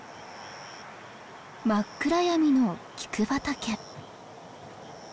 真っ暗闇のキク畑。